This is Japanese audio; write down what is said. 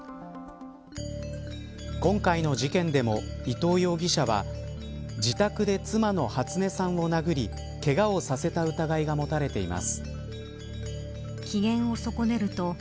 今回の事件でも伊藤容疑者は自宅で妻の初音さんを殴りけがをさせた疑いが持たれています。